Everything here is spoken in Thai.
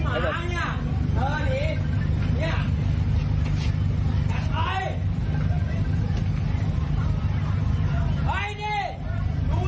แต่ถ้าแม่แบบนี้มันทำไม่ถูก